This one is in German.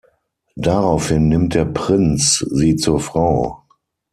Daraufhin nimmt der Prinz sie zur Frau.